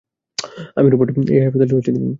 আমি রবার্ট, এই হাসপাতালের ডিন।